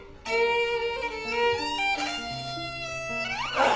あっ！